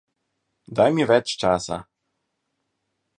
Daj mi več časa.